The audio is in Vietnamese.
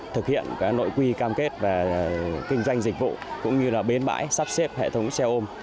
thực hiện nội quy cam kết về kinh doanh dịch vụ cũng như là bến bãi sắp xếp hệ thống xe ôm